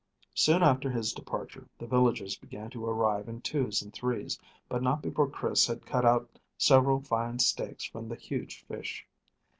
Soon after his departure the villagers began to arrive in twos and threes, but not before Chris had cut out several fine steaks from the huge fish.